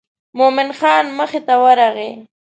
مومن خان مخې ته ورغی.